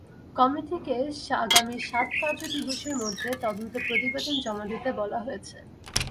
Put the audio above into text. কমিটিকে আগামী সাত কার্য দিবসের মধ্যে তদন্ত প্রতিবেদন জমা দিতে বলা হয়েছে।